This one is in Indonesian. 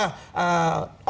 orang orang yang berpengalaman